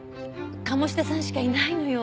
鴨志田さんしかいないのよ。